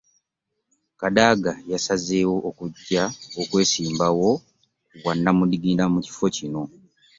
Kadaga yasazeewo okujja okwesimbawo ku bwa nnamunigina ku kifo kino.